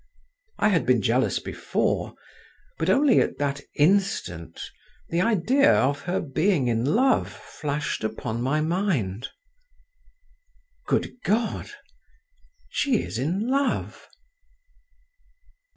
I had been jealous before, but only at that instant the idea of her being in love flashed upon my mind. "Good God! she is in love!"